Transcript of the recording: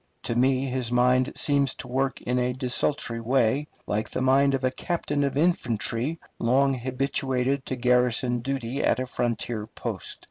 To me his mind seems to work in a desultory way, like the mind of a captain of infantry long habituated to garrison duty at a frontier post.